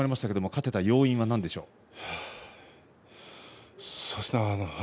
勝てた要因は何ですか。